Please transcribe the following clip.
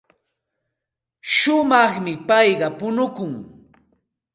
Shumaqmi payqa punukun.